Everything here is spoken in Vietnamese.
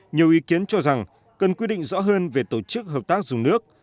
nhiều ý kiến cho rằng cần quy định rõ hơn về tổ chức hợp tác dùng nước